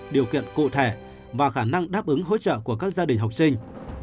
điều kiện cụ thể và khả năng đáp ứng hỗ trợ của các gia đình học sinh